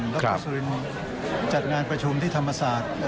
แล้วก็สุรินจัดงานประชุมที่ธรรมศาสตร์